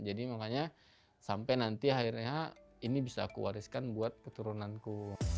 jadi makanya sampai nanti akhirnya ini bisa aku wariskan buat keturunanku